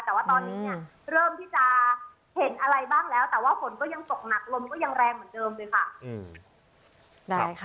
แต่ว่าตอนนี้เนี่ยเริ่มที่จะเห็นอะไรบ้างแล้วแต่ว่าฝนก็ยังตกหนักลมก็ยังแรงเหมือนเดิมเลยค่ะ